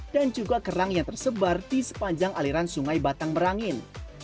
dan juga kerang yang tersebar di sepanjang aliran sungai batang merangin